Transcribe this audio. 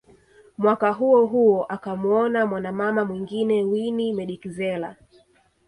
Mwaka huo huo akamoua mwana mama mwingine Winnie Medikizela